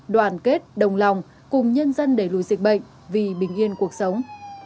đoàn kết đồng lòng cùng nhân dân đẩy lùi dịch bệnh vì bình yên cuộc sống